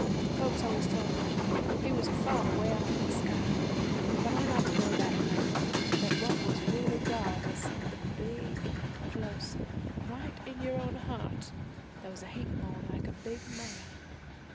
Folks always talk like He was a father 'way off in the sky, but I got to know that night that what was really God was something big an' close right in your own heart, that was a heap more like a big mother.